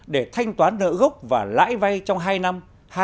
để thanh toán nợ gốc và lãi vay trong hai năm